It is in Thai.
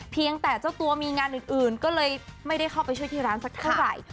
เจ้าตัวมีงานอื่นก็เลยไม่ได้เข้าไปช่วยที่ร้านสักเท่าไหร่